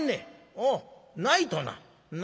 「おうないとな。